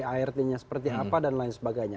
art nya seperti apa dan lain sebagainya